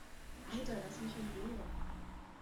Alter, lass mich in Ruhe!